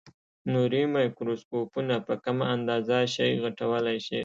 نوري مایکروسکوپونه په کمه اندازه شی غټولای شي.